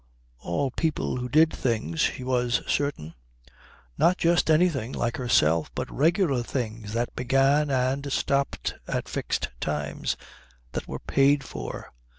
All people who did things, she was certain. Not just anything, like herself, but regular things that began and stopped at fixed times, that were paid for.